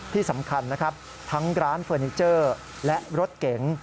ที่สำคัญนะครับทั้งร้านเฟอร์นิเจอร์และรถเก๋ง